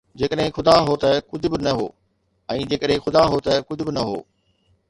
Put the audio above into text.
جيڪڏهن خدا هو ته ڪجهه به نه هو، ۽ جيڪڏهن خدا هو ته ڪجهه به نه هو